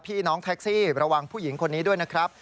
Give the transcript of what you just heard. พี่น้องแท็กซี่ระวังผู้หญิงคนนี้ด้วยนะครับ